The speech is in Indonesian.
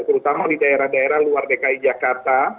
terutama di daerah daerah luar dki jakarta